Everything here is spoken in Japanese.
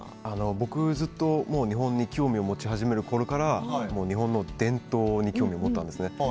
僕、ずっと日本に興味を持ち始めるころから日本の伝統に興味を持ったんですね。